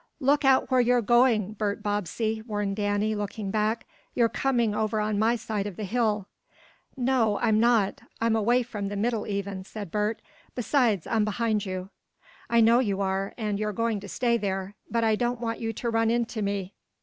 "Look out where you're going, Bert Bobbsey!" warned Danny, looking back. "You're coming over on my side of the hill!" "No I'm not. I'm away from the middle even," said Bert. "Besides, I'm behind you." "I know you are, and you're going to stay there; but I don't want you to run into me."